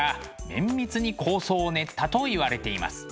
綿密に構想を練ったといわれています。